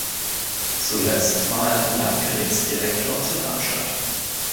Zuletzt war er Landgerichtsdirektor zu Darmstadt.